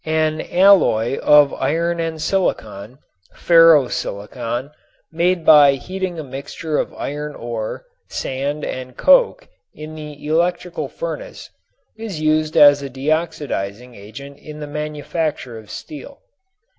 An alloy of iron and silicon, ferro silicon, made by heating a mixture of iron ore, sand and coke in the electrical furnace, is used as a deoxidizing agent in the manufacture of steel.